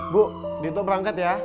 bu dito berangkat ya